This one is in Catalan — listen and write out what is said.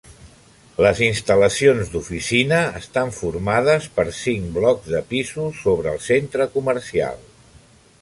Les instal·lacions d'oficina estan formades per cinc blocs de pisos sobre el centre comercial.